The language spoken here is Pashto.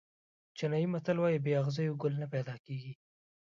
چینایي متل وایي بې اغزیو ګل نه پیدا کېږي.